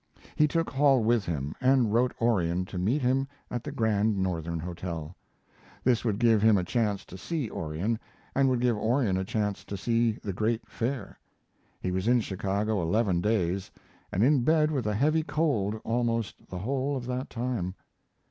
He took Hall with him, and wrote Orion to meet him at the Great Northern Hotel. This would give him a chance to see Orion and would give Orion a chance to see the great Fair. He was in Chicago eleven days, and in bed with a heavy cold almost the whole of that time.